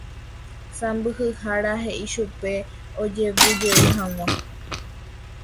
Sãmbyhyhára he'i chupe ojevyjey hag̃ua